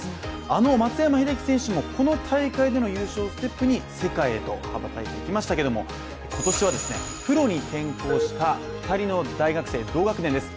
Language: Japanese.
あの松山英樹選手も、この大会での優勝をステップに世界へと羽ばたいていきましたけども今年はプロに転向した２人の大学生同学年です。